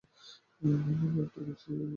বার্লিনে তার একটি কপি রয়েছে।